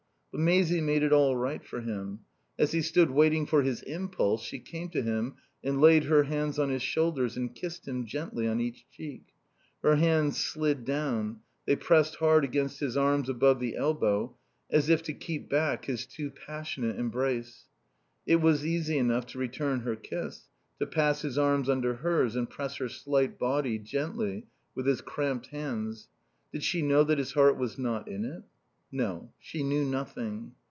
But Maisie made it all right for him. As he stood waiting for his impulse she came to him and laid her hands on his shoulders and kissed him, gently, on each cheek. Her hands slid down; they pressed hard against his arms above the elbow, as if to keep back his too passionate embrace. It was easy enough to return her kiss, to pass his arms under hers and press her slight body, gently, with his cramped hands. Did she know that his heart was not in it? No. She knew nothing.